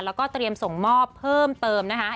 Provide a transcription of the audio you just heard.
แล้วก็เตรียมส่งมอบเพิ่มเติมนะคะ